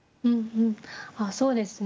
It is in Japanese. ああそうですね